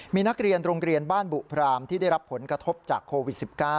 มีนักเรียนโรงเรียนบ้านบุพรามที่ได้รับผลกระทบจากโควิด๑๙